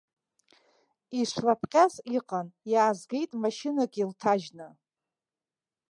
Ишлапҟьаз иҟан, иаазгеит машьынак илҭажьны.